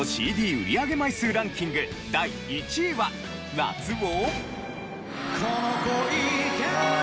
売上枚数ランキング第１位は『夏を』？